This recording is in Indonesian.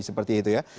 seperti itu ya